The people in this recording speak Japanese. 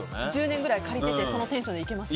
１０年ぐらい借りててそのテンションでいけます？